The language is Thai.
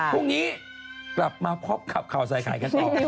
พรุ่งนี้กลับมาพบกับข่าวใส่ไข่กันต่อ